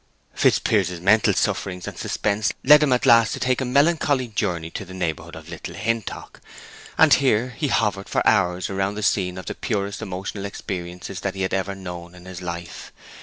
Fitzpiers's mental sufferings and suspense led him at last to take a melancholy journey to the neighborhood of Little Hintock; and here he hovered for hours around the scene of the purest emotional experiences that he had ever known in his life.